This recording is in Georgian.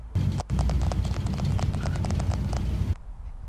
სანაოსნოა ქვემო დინებაში, სადაც კალაპოტი გასწორებულია და არხის სახე აქვს.